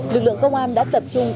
lực lượng công an đã tập trung